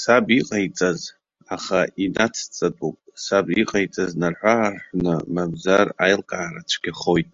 Саб иҟаиҵаз, аха инацҵатәуп, саб иҟаиҵаз нарҳәы-аарҳәны, мамзар аилкаара цәгьахоит.